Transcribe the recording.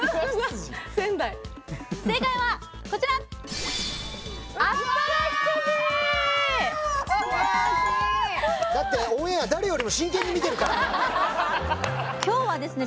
仙台正解はこちらだってオンエア誰よりも真剣に見てるから今日はですね